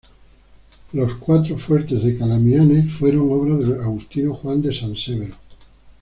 Los cuatro fuertes de Calamianes fueron obra del agustino Juan de San Severo.